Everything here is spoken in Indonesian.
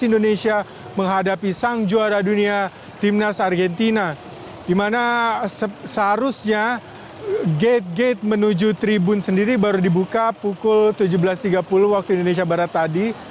di dunia timnas argentina di mana seharusnya gate gate menuju tribun sendiri baru dibuka pukul tujuh belas tiga puluh waktu indonesia barat tadi